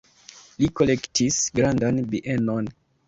Li kolektis grandan bienon.